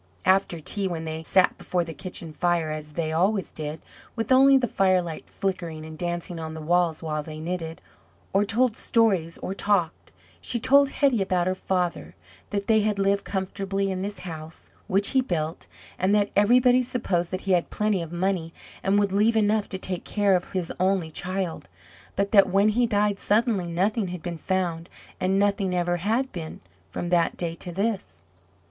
After tea, when they sat before the kitchen fire, as they always did, with only the firelight flickering and dancing on the walls while they knitted, or told stories, or talked, she told Hetty about her father: that they had lived comfortably in this house, which he built, and that everybody supposed that he had plenty of money, and would leave enough to take care of his only child, but that when he died suddenly nothing had been found, and nothing ever had been, from that day to this.